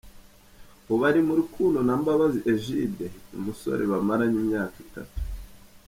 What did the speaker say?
Ubu ari mu rukundo na Mbabazi Egide, umusore bamaranye imyaka itatu.